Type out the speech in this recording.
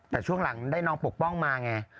แต่ช่วงหลังได้น้องปกป้องมาไง